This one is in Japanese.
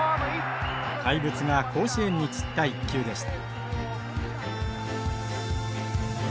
怪物が甲子園に散った一球でした。